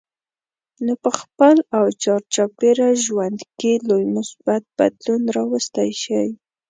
نو په خپل او چار چاپېره ژوند کې لوی مثبت بدلون راوستی شئ.